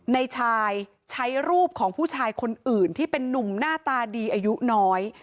ในชายใช้รูปของผู้ชายคนอื่นที่เป็นนุ่มหน้าตาดีอายุน้อย